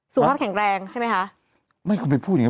เป็นการกระตุ้นการไหลเวียนของเลือด